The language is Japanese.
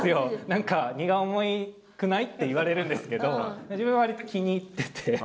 何か「荷が重くない？」って言われるんですけど自分は割と気に入ってて。